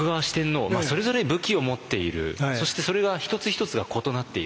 それぞれ武器を持っているそしてそれが一つ一つが異なっている。